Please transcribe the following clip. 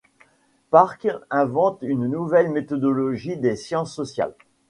Park invente une nouvelle méthodologie des sciences sociales.